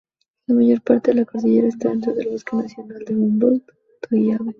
La mayor parte de la cordillera está dentro del bosque Nacional Humboldt-Toiyabe.